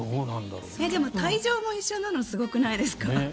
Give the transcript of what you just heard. でも退場も一緒なのすごくないですか？